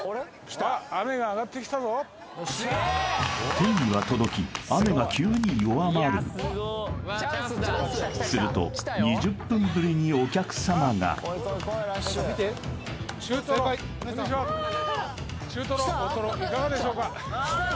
天には届き雨が急に弱まるすると中トロこんにちは中トロ大トロいかがでしょうか？